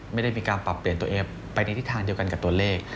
ไม่ได้มีการปรับเปลี่ยนตัวเองไปในทิศทางเดียวกันกับตัวเลข